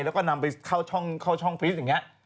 แล้วก็นำไปเข้าช่องฟิศอย่างนี้